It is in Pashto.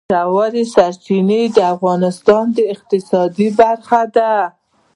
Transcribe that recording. ژورې سرچینې د افغانستان د اقتصاد برخه ده.